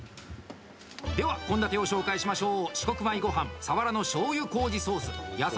では献立を紹介しましょう。